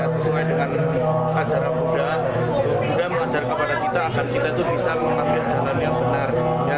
sesuai dengan ajaran bunda mengajar kepada kita agar kita itu bisa mengambil jalan yang benar